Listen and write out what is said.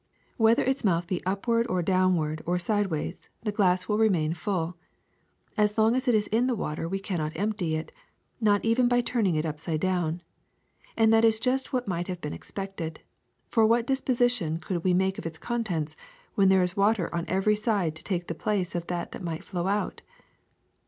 Whether its mouth be upward or downward or sidewise, the glass will remain full. As long as it is in the water we cannot empty it, not even by turning it upside down. And that is just what might have been expected ; for what disposition could we make of its contents when there is water on every side to take the place of any that might flow out?